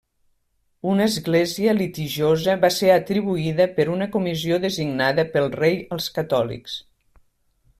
Una Església litigiosa va ser atribuïda per una comissió designada pel rei als catòlics.